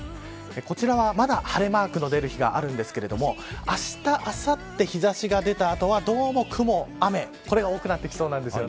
こちらは、まだ晴れマークの出る日があるんですがあした、あさって日差しが出た後はどうも雲、雨これが多くなってきそうなんです。